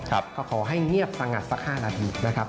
ก็ขอให้เงียบสงัดสัก๕นาทีนะครับ